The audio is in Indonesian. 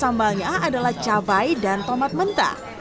sambalnya adalah cabai dan tomat mentah